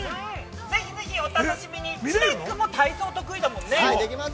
◆ぜひぜひ、お楽しみに、知念君も体操得意だもんね。